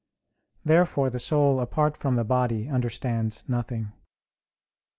Therefore the soul apart from the body understands nothing.